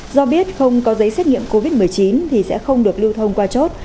do biết không có giấy xét nghiệm covid một mươi chín thì sẽ không được lưu thông qua chốt